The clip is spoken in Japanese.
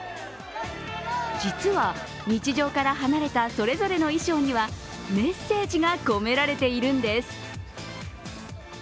実は、日常から離れたそれぞれの衣装にはメッセージが込められているんです。